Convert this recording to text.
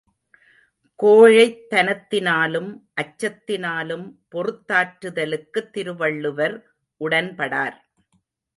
கோழைத்தனத்ததினாலும் அச்சத்தினாலும் பொறுத்தாற்றுதலுக்குத் Thiruvalluvar உடன்படார்.